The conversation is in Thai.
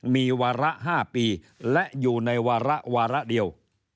มีวาระ๕ปีและอยู่ในวาระวาระเดียว